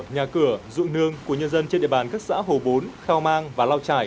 nhà cửa ruộng nương của nhân dân trên địa bàn các xã hồ bốn khao mang và lao trải